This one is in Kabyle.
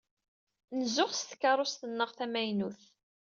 Nzuxx s tkeṛṛust-nneɣ tamaynut.